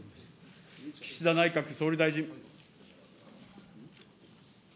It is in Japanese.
岸田内閣総理大臣。